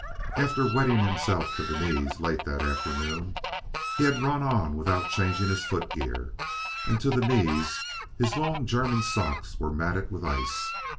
After wetting himself to the knees late that afternoon, he had run on without changing his foot gear, and to the knees his long German socks were matted with ice.